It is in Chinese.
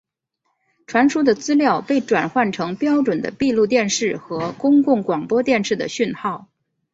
传输的资料被转换成标准的闭路电视和公共广播电视的讯号。